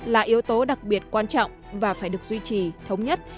là yếu tố đặc biệt quan trọng và phải được duy trì thống nhất